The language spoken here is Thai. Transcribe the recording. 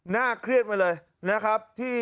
เครียดมาเลยนะครับ